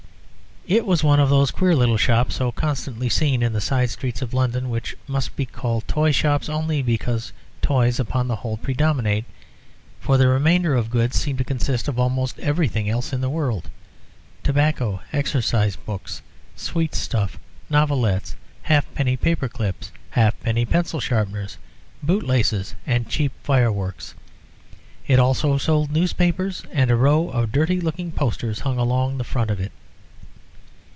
It was one of those queer little shops so constantly seen in the side streets of London, which must be called toy shops only because toys upon the whole predominate; for the remainder of goods seem to consist of almost everything else in the world tobacco, exercise books, sweet stuff, novelettes, halfpenny paper clips, halfpenny pencil sharpeners, bootlaces, and cheap fireworks. It also sold newspapers, and a row of dirty looking posters hung along the front of it.